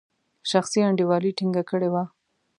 شخصي انډیوالي ټینګه کړې وه.